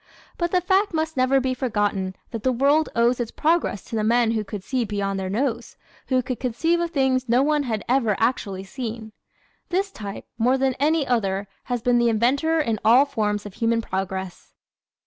But the fact must never be forgotten that the world owes its progress to the men who could see beyond their nose, who could conceive of things no one had ever actually seen. This type, more than any other, has been the innovator in all forms of human progress.